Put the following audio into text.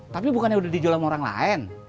tapi bukannya udah dijual sama orang lain